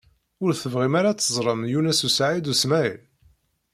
Ur tebɣim ara ad teẓṛem Yunes u Saɛid u Smaɛil?